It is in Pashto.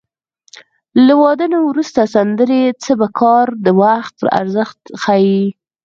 له واده نه وروسته سندرې څه په کار د وخت ارزښت ښيي